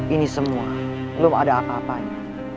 ini semua belum ada apa apanya